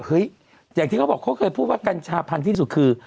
อย่างที่เขาบอกเขาเคยพูดว่ากัญชาพันธุ์ที่สุดคือ